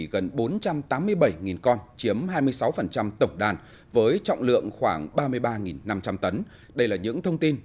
gần bốn trăm tám mươi bảy con chiếm hai mươi sáu tổng đàn với trọng lượng khoảng ba mươi ba năm trăm linh tấn đây là những thông tin